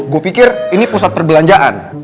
gue pikir ini pusat perbelanjaan